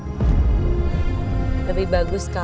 untuk seseorang yang cantik dan berpenampilan elegan